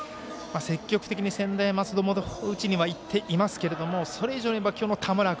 積極的に専大松戸も打ちにはいっていますけれどもそれ以上に今日の田村君